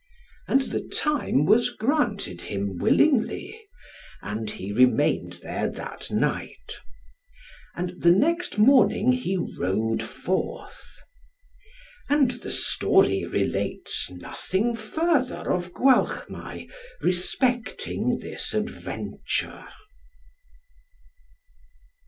And the time was granted him willingly; and he remained there that night. And the next morning he rode forth. And the story relates nothing further of Gwalchmai respecting this adventure.